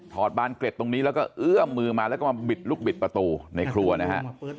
บานเกร็ดตรงนี้แล้วก็เอื้อมมือมาแล้วก็มาบิดลูกบิดประตูในครัวนะฮะ